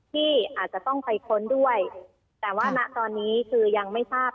ที่อาจจะต้องไปค้นด้วยแต่ว่าณตอนนี้คือยังไม่ทราบ